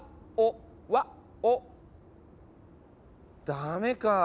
ダメかぁ。